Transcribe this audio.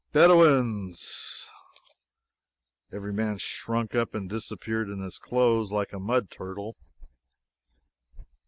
"Bedouins!" Every man shrunk up and disappeared in his clothes like a mud turtle.